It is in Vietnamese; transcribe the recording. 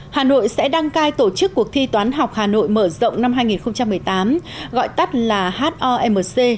hà nội sẽ đăng cai tổ chức cuộc thi toán học hà nội mở rộng năm hai nghìn một mươi tám gọi tắt là homc